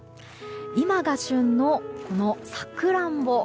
今が旬のサクランボ。